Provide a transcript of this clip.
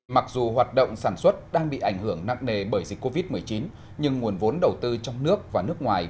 mặc dù hoạt động sản xuất đang bị ảnh hưởng nặng nề bởi dịch covid một mươi chín nhưng nguồn vốn đầu tư trong nước và nước ngoài